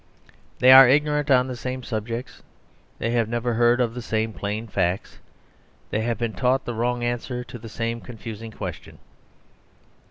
They are ignorant on the same subjects. They have never heard of the same plain facts. They have been taught the wrong answer to the same confusing question.